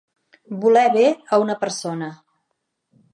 Voler bé a una persona.